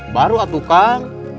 baru atuh kangen